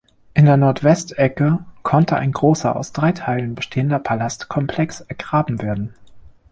In der Nordwestecke konnte ein großer, aus drei Teilen bestehender Palastkomplex ergraben werden.